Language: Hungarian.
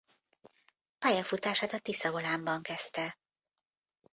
Pályafutását a Tisza Volánban kezdte.